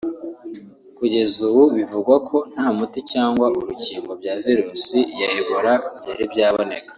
Kugeza ubu bivugwa ko nta muti cyangwa urukingo bya virusi ya Ebola byari byaboneka